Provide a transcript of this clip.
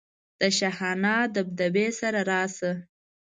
د شاهانه دبدبې سره راشه.